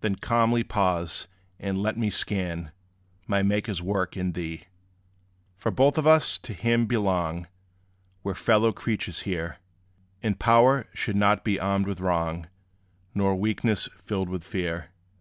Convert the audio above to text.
Then calmly pause, and let me scan My Maker's work in thee. For both of us to him belong; We 're fellow creatures here; And power should not be armed with wrong, Nor weakness filled with fear.